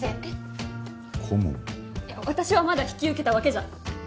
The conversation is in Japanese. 私はまだ引き受けたわけじゃ。